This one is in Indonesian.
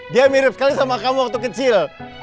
dia mirip sekali sama kamu waktu kecil